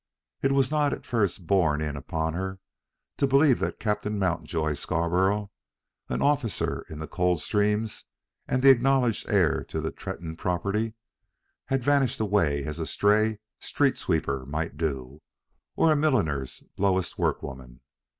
It was not at first borne in upon her to believe that Captain Mountjoy Scarborough, an officer in the Coldstreams, and the acknowledged heir to the Tretton property, had vanished away as a stray street sweeper might do, or some milliner's lowest work woman.